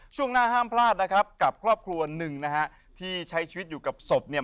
ช่วงหน้าห้ามพลาดนะครับกับครอบครัวหนึ่งนะฮะที่ใช้ชีวิตอยู่กับศพเนี่ย